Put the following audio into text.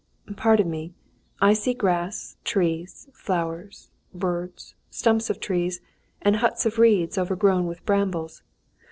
"Pardon me, I see grass, trees, flowers, birds, stumps of trees, and huts of reeds overgrown with brambles.